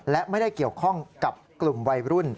และไม่ได้เกี่ยวข้องกับกลุ่มวัยรุ่น